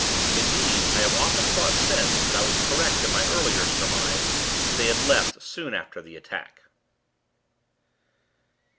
Indeed, I have often thought since, that I was correct in my earlier surmise, that they had left soon after the attack.